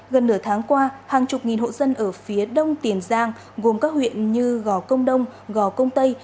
gần nửa tháng qua hàng chục nghìn hộ dân ở phía đông tiền giang gồm các huyện như gò công đông gò công tây